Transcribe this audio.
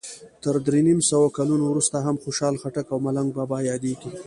تر درې نیم سوو کلونو وروسته هم خوشال خټک او ملنګ بابا یادیږي.